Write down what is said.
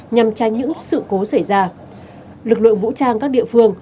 nhằm tránh những sự cố xảy ra lực lượng vũ trang các địa phương